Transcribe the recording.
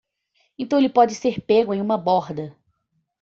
Então ele pode ser pego em uma borda!